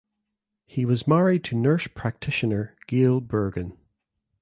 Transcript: He was married to nurse practitioner Gail Burgan.